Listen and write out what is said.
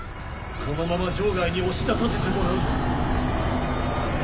このまま場外に押し出させてもらうぞ。